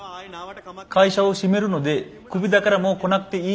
会社を閉めるのでクビだからもう来なくていい。